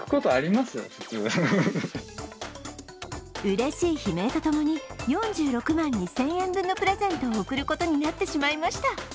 うれしい悲鳴と共に４６万２０００円分のプレゼントを贈ることになってしまいました。